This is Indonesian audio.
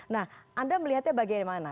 nah anda melihatnya bagaimana